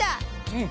うん。